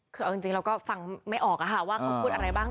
คือเอาจริงเราก็ฟังไม่ออกว่าเขาพูดอะไรบ้าง